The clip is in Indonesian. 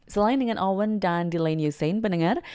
selain dengan owen dan deline usain pendengar